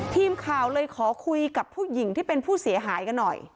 ทีมข่าวเลยขอคุยกับผู้หญิงที่เป็นผู้เสียหายกันหน่อย